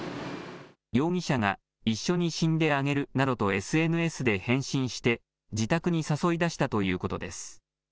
容疑者が一緒に死んであげるなどとＳＮＳで返信して、自宅に誘い出したということです。